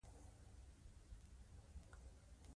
بدلونونه د نړۍ ځینو برخو ته وغځېدل.